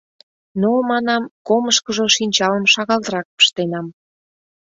Но, манам, комышкыжо шинчалым шагалрак пыштенам.